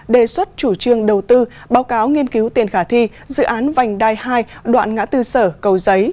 đề xuất chủ trương đầu tư báo cáo nghiên cứu tiền khả thi dự án vành đai hai đoạn ngã tư sở cầu giấy